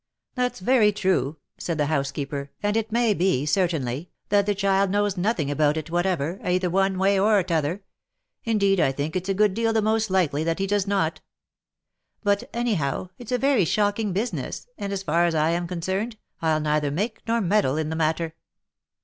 M That's very true," said the housekeeper, " and it may be, certainly, that the child knows nothing about it whatever, either one way or t'other — indeed I think it's a good deal the most likely that he does not; — but, any how, it's a very shocking business, and, as far as 1 am concerned, I'll neither make nor meddle in the matter.